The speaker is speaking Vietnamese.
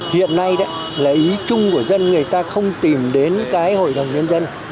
hiện nay đấy là ý chung của dân người ta không tìm đến cái hội đồng nhân dân